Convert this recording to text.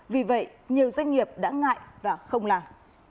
vì vậy nhiều doanh nghiệp đã ngại và không làm